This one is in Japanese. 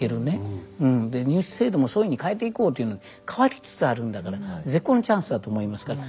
で入試制度もそういうふうに変えていこうというので変わりつつあるんだから絶好のチャンスだと思いますから。